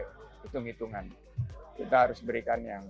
hitung hitungan kita harus berikan yang